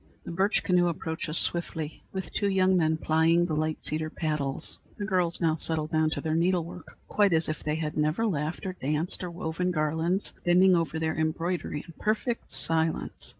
The birch canoe approaches swiftly, with two young men plying the light cedar paddles. The girls now settle down to their needle work, quite as if they had never laughed or danced or woven garlands, bending over their embroidery in perfect silence.